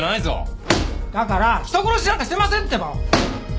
だから人殺しなんかしてませんってば！